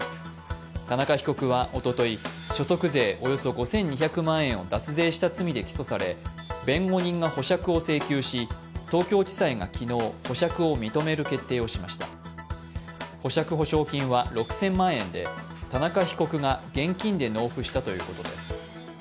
田中被告はおととい、所得税およそ５２００万円を脱税した罪で起訴され弁護人が保釈を今日午後、東京地裁が昨日、保釈を認めました保釈保証金は６０００万円で、田中被告が現金で納付したということです。